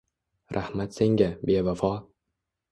Rahmat senga, bevafo.